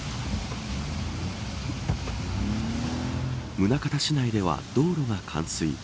宗像市内では道路が冠水。